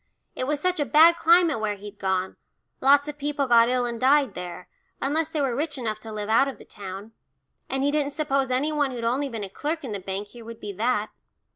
It was such a bad climate where he'd gone lots of people got ill and died there, unless they were rich enough to live out of the town, and he didn't suppose any one who'd only been a clerk in the bank here would be that.